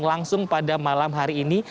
langsung pada malam hari ini